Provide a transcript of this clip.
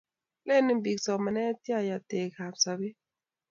lenei biik somanee ya yatekab sobee.